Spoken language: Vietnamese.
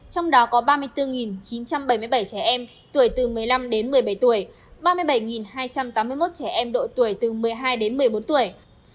trong đó có ba mươi bốn chín trăm bảy mươi bảy trẻ em tuổi từ một mươi năm đến một mươi bảy tuổi ba mươi bảy hai trăm tám mươi một trẻ em độ tuổi từ một mươi hai đến một mươi bốn tuổi